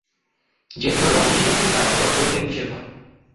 যে কোন রং ই দেখে নি, তার আবার রক্তের রং য়ের কিসের ভয়।